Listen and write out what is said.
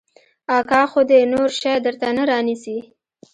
اکا خو دې نور شى درته نه رانيسي.